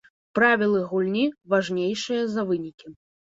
Правілы гульні важнейшыя за вынікі.